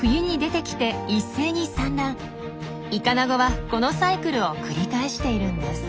イカナゴはこのサイクルを繰り返しているんです。